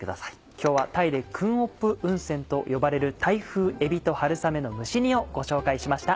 今日はタイで「クンオップウンセン」と呼ばれる「タイ風えびと春雨の蒸し煮」をご紹介しました。